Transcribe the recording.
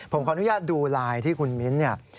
ผมขออนุญาตดูไลน์ที่คุณมิ้นท์เนี่ย